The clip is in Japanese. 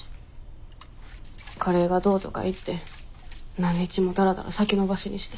カレーがどうとか言って何日もダラダラ先延ばしにして。